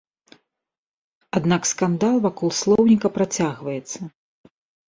Аднак скандал вакол слоўніка працягваецца.